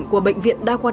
của bệnh viện đa quận